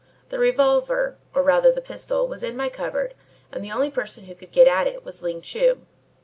The revolver, or rather the pistol, was in my cupboard and the only person who could get at it was Ling Chu.